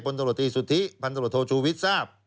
ผลตรวจธิสุธิพันธโรโทชูวิททศาสตร์